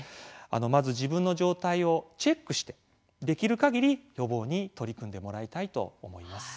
まず自分の状態をチェックしてできる限り予防に取り組んでもらいたいと思います。